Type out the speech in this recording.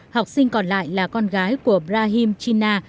học sinh còn lại là con gái của brahim chinna